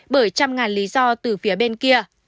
bởi trăm ngàn lý do từ phía bên kia